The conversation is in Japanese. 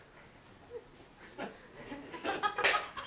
ハハハ。